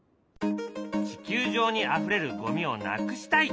地球上にあふれるゴミをなくしたい。